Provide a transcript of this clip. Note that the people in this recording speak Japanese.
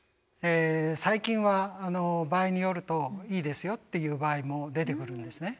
最近は場合によるといいですよっていう場合も出てくるんですね。